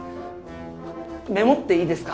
メモっていいですか？